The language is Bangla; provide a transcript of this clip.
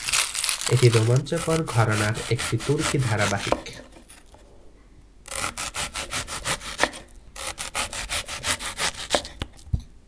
এটি রোমাঞ্চকর ঘরানার একটি তুর্কি ধারাবাহিক।